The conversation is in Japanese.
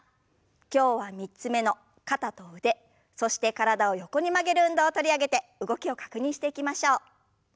今日は３つ目の肩と腕そして体を横に曲げる運動を取り上げて動きを確認していきましょう。